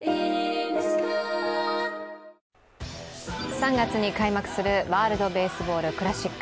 ３月に開幕するワールドベースボールクラシック。